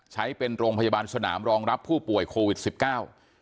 ใช้เป็นโรงพยาบาลสนามรองรับผู้ป่วยโควิดสิบเก้า